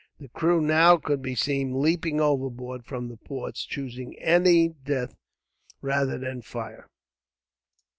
The crew now could be seen leaping overboard from the ports, choosing any death rather than that by fire.